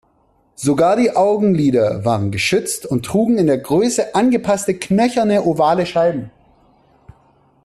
Sogar die Augenlider waren geschützt und trugen in der Größe angepasste knöcherne ovale Scheiben.